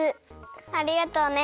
ありがとうね。